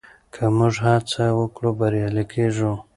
که موږ هڅه وکړو بریالي کېږو.